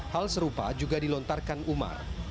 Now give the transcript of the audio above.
hal serupa juga dilontarkan umar